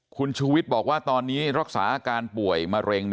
คุณชูวิทย์บอกว่าตอนนี้รักษาอาการป่วยมะเร็ง